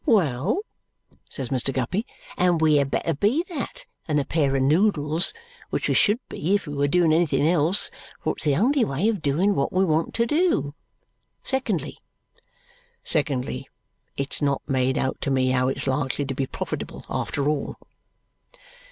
"Well!" says Mr. Guppy. "And we had better be that than a pair of noodles, which we should be if we were doing anything else, for it's the only way of doing what we want to do. Secondly?" "Secondly, it's not made out to me how it's likely to be profitable, after all."